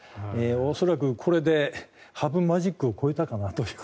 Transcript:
恐らくこれで羽生マジックを超えたかなと。